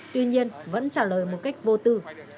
tuy nhiên vẫn trả lời một cách vô tư